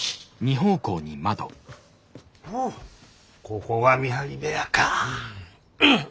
おおここが見張り部屋か。